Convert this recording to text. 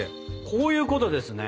こういうことですね？